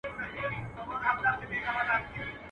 نور ئې نور، عثمان ته لا هم غورځېدى.